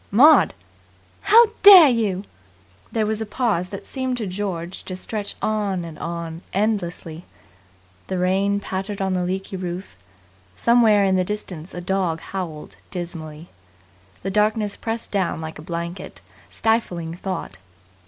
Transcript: "Maud!" "How dare you!" There was a pause that seemed to George to stretch on and on endlessly. The rain pattered on the leaky roof. Somewhere in the distance a dog howled dismally. The darkness pressed down like a blanket, stifling thought.